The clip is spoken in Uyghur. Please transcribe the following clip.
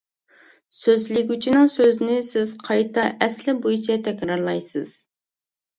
سۆزلىگۈچىنىڭ سۆزىنى سىز قايتا ئەسلى بويىچە تەكرارلايسىز.